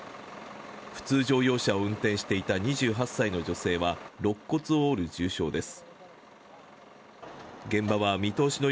普通乗用車を運転していた２８歳の女性は肋骨を折る重傷です。